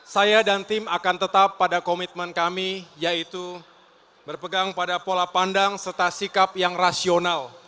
saya dan tim akan tetap pada komitmen kami yaitu berpegang pada pola pandang serta sikap yang rasional